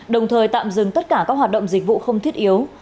đồng thời tạm dừng tất cả các hoạt động dịch vụ không thiết yếu